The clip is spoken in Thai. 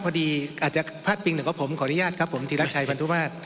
พอดีอาจจะพลาดพิงหนึ่งก็ผมขออนุญาตครับผมธีรักชัยพันธุมาตร